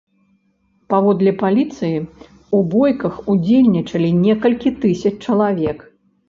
Паводле паліцыі, у бойках удзельнічалі некалькі тысяч чалавек.